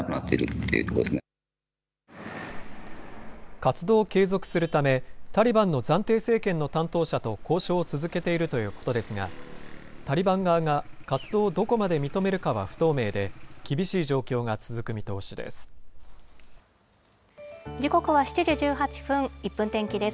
活動を継続するため、タリバンの暫定政権の担当者と交渉を続けているということですが、タリバン側が活動をどこまで認めるかは不透明で、厳しい状況が続時刻は７時１８分、１分天気です。